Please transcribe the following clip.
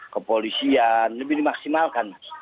kepolisian lebih dimaksimalkan